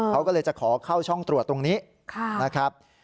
เขาก็เลยจะขอเข้าช่องตรวจตรงนี้นะครับ